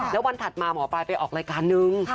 แล้ววันถัดมาหมอปลายไปออกรายการนึง